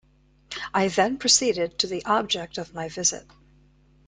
I then proceeded to the object of my visit.